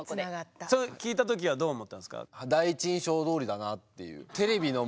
それ聞いた時はどう思ったんですか？